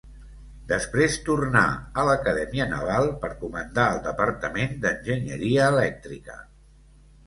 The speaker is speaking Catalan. Després tornà a l'Acadèmia Naval per comandar el Departament d'Enginyeria Elèctrica.